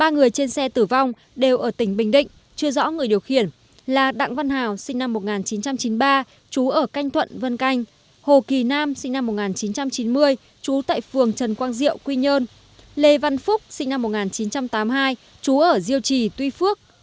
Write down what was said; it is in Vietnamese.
ba người trên xe tử vong đều ở tỉnh bình định chưa rõ người điều khiển là đặng văn hào sinh năm một nghìn chín trăm chín mươi ba trú ở canh thuận vân canh hồ kỳ nam sinh năm một nghìn chín trăm chín mươi trú tại phường trần quang diệu quy nhơn lê văn phúc sinh năm một nghìn chín trăm tám mươi hai trú ở diêu trì tuy phước